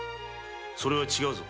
それは違うぞ。